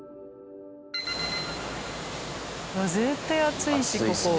絶対暑いしここ。